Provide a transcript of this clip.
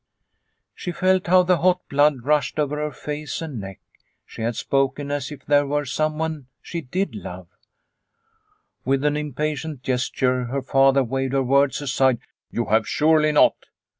She felt how the hot blood rushed over her face and neck. She had spoken as if there were someone she did love. The Accusation 233 With an impatient gesture her father waved her words aside. " You have surely not